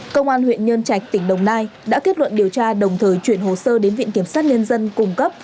công an huyện nhân trạch tỉnh đồng nai đã kết luận điều tra đồng thời chuyển hồ sơ đến viện kiểm sát nhân dân cung cấp